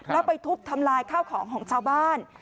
แล้วไปทุบทำลายข้าวของของชาวบ้าน